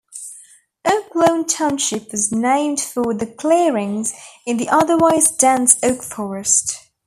Oak Lawn Township was named for the clearings in the otherwise dense oak forest.